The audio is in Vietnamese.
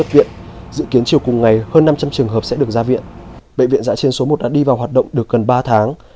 bệnh viện dạ trên số một đã đi vào hoạt động được gần ba tháng